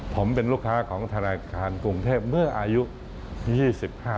ผมเป็นลูกค้าของธนาคารกรุงเทพเมื่ออายุ๒๕